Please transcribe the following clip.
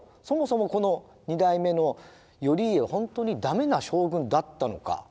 そもそもこの二代目の頼家は本当に駄目な将軍だったのか。